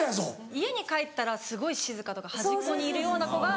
家に帰ったらすごい静かとか端っこにいるような子が。